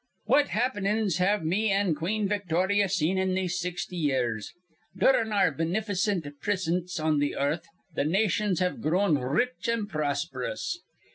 "Great happenin's have me an' Queen Victorya seen in these sixty years. Durin' our binificent prisince on earth th' nations have grown r rich an' prosperous.